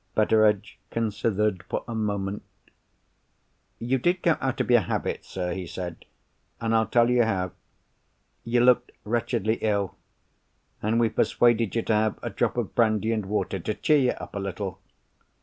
Betteredge considered for a moment. "You did go out of your habits, sir," he said. "And I'll tell you how. You looked wretchedly ill—and we persuaded you to have a drop of brandy and water to cheer you up a little."